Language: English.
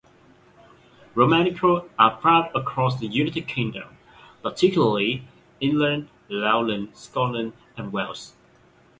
Romanichal are found across the United Kingdom, particularly England, Lowland Scotland and Wales.